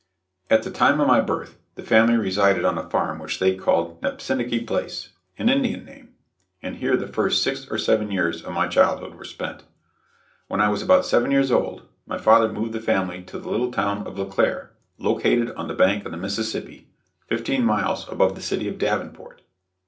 At the time of my birth the family resided on a farm which they called "Napsinekee Place," an Indian name and here the first six or seven years of my childhood were spent. When I was about seven years old my father moved the family to the little town of LeClair, located on the bank of the Mississippi, fifteen miles above the city of Davenport.